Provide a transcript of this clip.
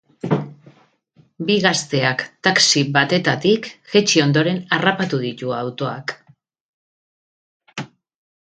Bi gazteak taxi batetatik jaitsi ondoren harrapatu ditu autoak.